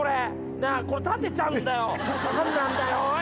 何なんだよおい！